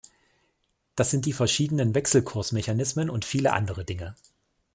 Das sind die verschiedenen Wechselkursmechanismen und viele andere Dinge.